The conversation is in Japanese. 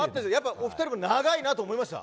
お二人も長いなと思いました。